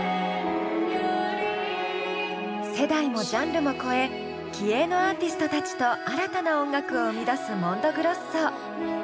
世代もジャンルも超え気鋭のアーティストたちと新たな音楽を生み出すＭＯＮＤＯＧＲＯＳＳＯ。